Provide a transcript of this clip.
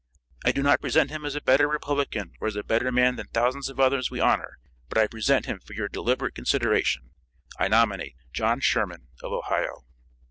I do not present him as a better Republican or as better man than thousands of others we honor, but I present him for your deliberate consideration. I nominate John Sherman, of Ohio."